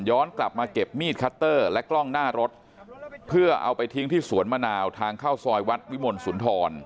กลับมาเก็บมีดคัตเตอร์และกล้องหน้ารถเพื่อเอาไปทิ้งที่สวนมะนาวทางเข้าซอยวัดวิมลสุนทร